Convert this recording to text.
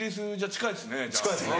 近いですね。